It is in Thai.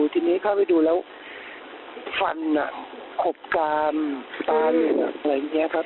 ทีนี้เข้าไปดูแล้วฟันขบกามฟันฟันอะไรอย่างนี้ครับ